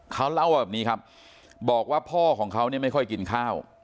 เขาเล่าว่าแบบนี้ครับบอกว่าพ่อของเขาเนี่ยไม่ค่อยกินข้าว